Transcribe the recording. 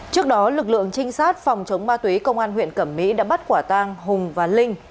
trước đó lực lượng trinh sát phòng chống ma túy công an huyện cẩm mỹ đã bắt quả tang hùng và linh